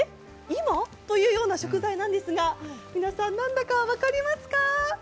今？というような食材なんですが、皆さん、何だか分かりますか？